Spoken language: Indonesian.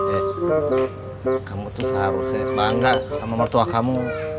eh kamu tuh seharusnya bangga sama mertua kamu